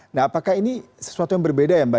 nah apakah ini sesuatu yang berbeda ya mbak